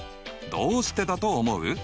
どうしてだと思う？